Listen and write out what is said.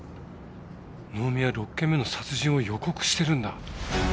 能見は６件目の殺人を予告してるんだ。